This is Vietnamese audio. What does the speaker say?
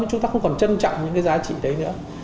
chúng ta không còn trân trọng những cái giá trị đấy nữa